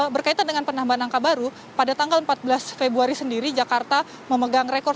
berkaitan dengan penambahan angka baru pada tanggal empat belas februari sendiri jakarta memegang rekor